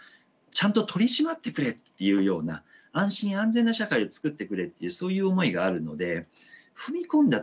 ちゃんと取り締まってくれっていうような安心安全な社会をつくってくれっていうそういう思いがあるので踏み込んだ